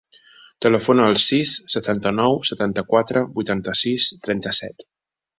Telefona al sis, setanta-nou, setanta-quatre, vuitanta-sis, trenta-set.